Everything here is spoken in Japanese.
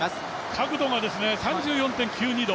角度が３４．９２４度。